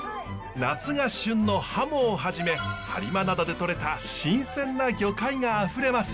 夏が旬のハモをはじめ播磨灘でとれた新鮮な魚介があふれます。